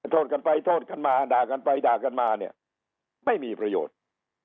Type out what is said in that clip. โทษกันไปโทษกันมาด่ากันไปด่ากันมาเนี่ยไม่มีประโยชน์